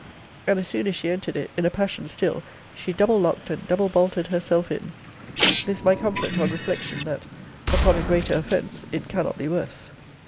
] and as soon as she entered it, in a passion still, she double locked and double bolted herself in. This my comfort, on reflection, that, upon a greater offence, it cannot be worse.